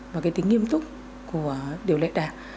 và cái tính nghiêm túc của điều lệ đảng